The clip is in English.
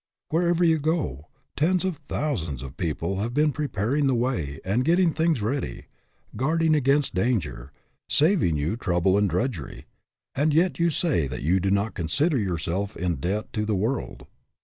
Wherever you go, tens of thousands of peo ple have been preparing the way and getting things ready, guarding against danger, saving you trouble and drudgery; and yet you say that you do not consider yourself in debt to the world.